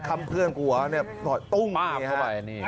คล้ำเพื่อนก็ตุ้ง